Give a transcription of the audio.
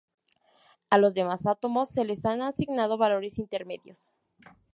A los demás átomos se les han asignado valores intermedios.